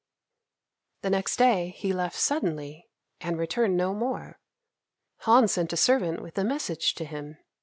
The next day he left suddenly, and returned no more. Han sent a servant with a message to him.